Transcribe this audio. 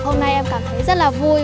hôm nay em cảm thấy rất là vui